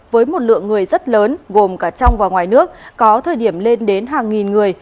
với một lượng người rất lớn gồm cả trong và ngoài nước có thời điểm lên đến hàng nghìn người